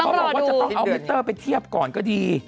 ต้องรอดูต้องเอาเมตเตอร์ไปเทียบก่อนก็ดี